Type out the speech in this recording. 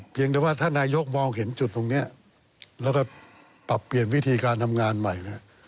เพียงแต่ว่าถ้านายกมองเห็นจุดตรงนี้แล้วก็ปรับเปลี่ยนวิธีการทำงานใหม่เนี่ย